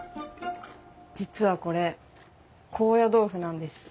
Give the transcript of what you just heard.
実はこれ高野豆腐なんです。